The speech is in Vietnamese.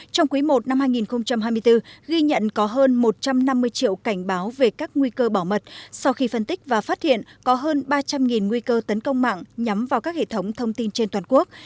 trong quý i năm hai nghìn hai mươi bốn ghi nhận có hơn một trăm năm mươi triệu cảnh báo về các nguy cơ bảo mật sau khi phân tích và phát hiện có hơn ba trăm linh nguy cơ tấn công mạng nhắm vào các hệ thống thông tin trên toàn quốc